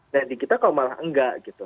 nah di kita kok malah enggak gitu